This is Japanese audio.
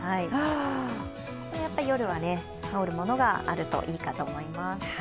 夜は羽織るものがあるといいかと思います。